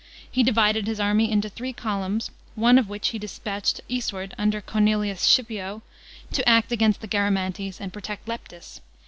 He divided his army into three columns, one of which he dis patched eastward under Cornelius SScipio, to act against the Garamantes and protect Leptis.